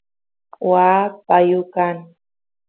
waa payu kan